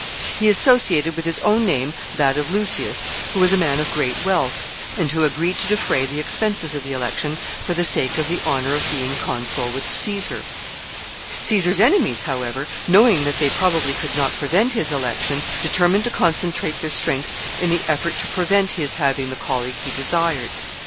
He associated with his own name that of Lucceius, who was a man of great wealth, and who agreed to defray the expenses of the election for the sake of the honor of being consul with Caesar. Caesar's enemies, however, knowing that they probably could not prevent his election, determined to concentrate their strength in the effort to prevent his having the colleague he desired.